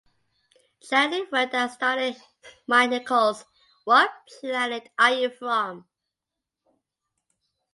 Shandling wrote and starred in Mike Nichols' What Planet Are You From?